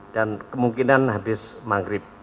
dan kemungkinan habis maghrib